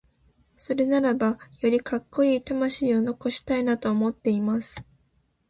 それならばよりカッコイイ魂を残したいなと思っています。